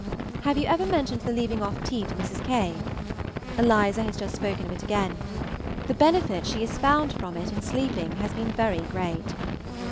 Have you ever mentioned the leaving off tea to Mrs. K.? Eliza has just spoken of it again. The benefit she has found from it in sleeping has been very great.